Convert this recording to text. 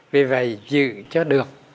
vì vậy giữ cho được